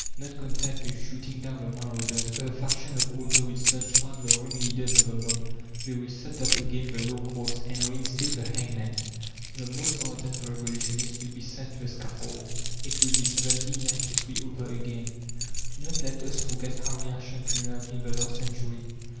Not content with shooting down the "marauders," the faction of "order" will search out the "ringleaders of the mob." They will set up again the law courts and reinstate the hangman. The most ardent revolutionists will be sent to the scaffold. It will be 1793 over again. Do not let us forget how reaction triumphed in the last century.